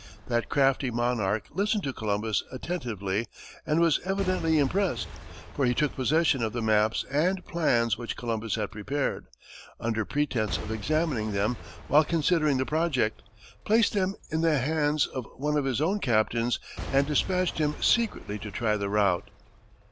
That crafty monarch listened to Columbus attentively and was evidently impressed, for he took possession of the maps and plans which Columbus had prepared, under pretense of examining them while considering the project, placed them in the hands of one of his own captains and dispatched him secretly to try the route.